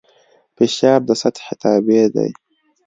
فشار د سطحې تابع دی.